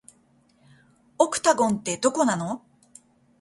オクタゴンって、どこなの